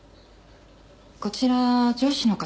こちら上司の方かしら？